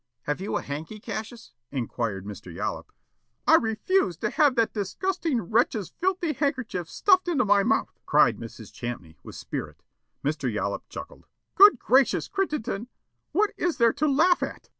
"Have you a hanky, Cassius?" inquired Mr. Yollop. "I refuse to have that disgusting wretch's filthy handkerchief stuffed into my mouth," cried Mrs. Champney, with spirit. Mr. Yollop chuckled. "Good gracious, Crittenden, what is there to laugh at?"